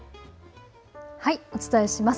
お伝えします。